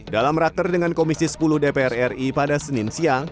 dalam rakter dengan komisi sepuluh dpr ri pada senin siang